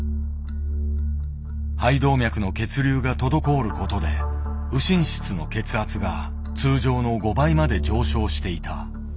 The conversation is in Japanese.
肺動脈の血流が滞ることで右心室の血圧が通常の５倍まで上昇していた。